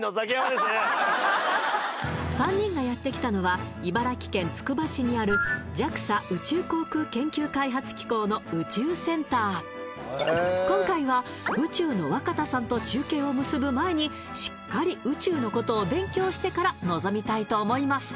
３人がやってきたのは茨城県つくば市にある今回は宇宙の若田さんと中継を結ぶ前にしっかり宇宙のことを勉強してから臨みたいと思います